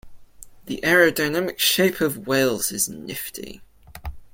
The aerodynamic shape of whales is nifty.